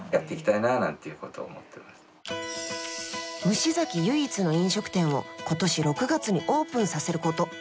虫崎唯一の飲食店を今年６月にオープンさせること！